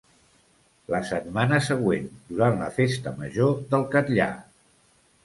La setmana següent, durant la Festa Major del Catllar.